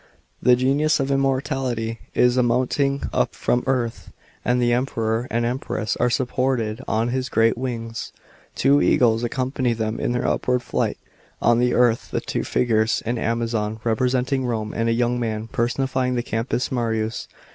The g< uius of immortality is mounting up from earth, and the Emperor and Empress are supported on his great wings. Two eagles accompany them in their upward flight. On the earth are two figures — an Amazon, representing Rome, and a young man, personifying the Campus Martius.